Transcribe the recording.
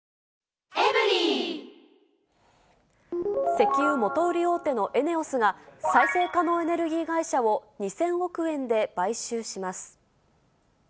石油元売り大手のＥＮＥＯＳが、再生可能エネルギー会社を２０００億円で買収します。